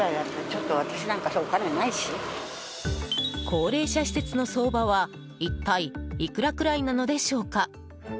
高齢者施設の相場は一体いくらくらいなのでしょうか？